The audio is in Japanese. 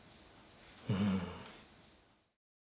うん。